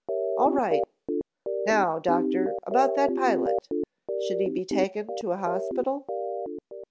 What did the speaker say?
"All right. Now, Doctor, how about that pilot should he be taken to a hospital?"